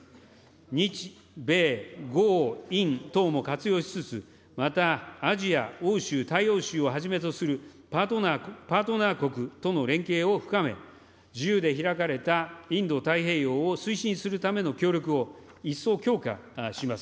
日米豪印等も活用しつつ、またアジア、欧州、大洋州をはじめとするパートナー国との連携を深め、自由で開かれたインド太平洋を推進するための協力を一層強化します。